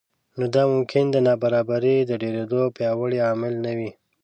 نو دا ممکن د نابرابرۍ د ډېرېدو پیاوړی عامل نه وي